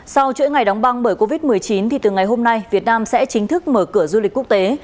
sau chuỗi ngày đóng băng bởi covid một mươi chín thì từ ngày hôm nay việt nam sẽ chính thức mở cửa du lịch quốc tế